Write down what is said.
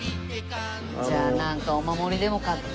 じゃあなんかお守りでも買って。